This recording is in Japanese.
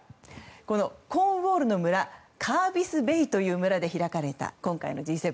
このコーンウォールの村カービスベイという村で開かれた今回のＧ７。